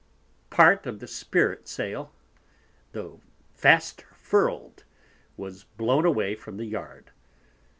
Part of the Sprit Sail, tho' fast furled, was blown away from the Yard.